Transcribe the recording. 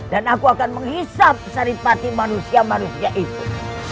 dan aku akan menghisap saripati manusia manusia itu